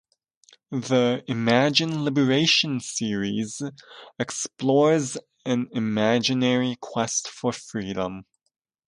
The "Imagine Liberation" series explores an imaginary quest for freedom.